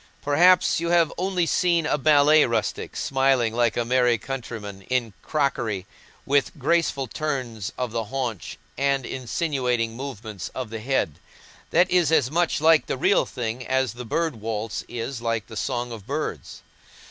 Perhaps you have only seen a ballet rustic, smiling like a merry countryman in crockery, with graceful turns of the haunch and insinuating movements of the head. That is as much like the real thing as the "Bird Waltz" is like the song of birds.